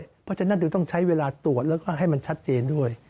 เพราะฉะนั้นเดี๋ยวต้องใช้เวลาตรวจแล้วก็ให้มันชัดเจนด้วย